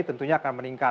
tentunya akan meningkat